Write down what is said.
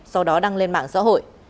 sau đó đăng lên mạng xã hội